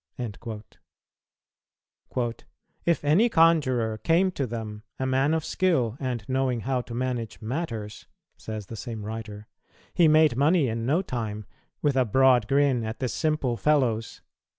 "[229:5] "If any conjurer came to them, a man of skill and knowing how to manage matters," says the same writer, "he made money in no time, with a broad grin at the simple fellows."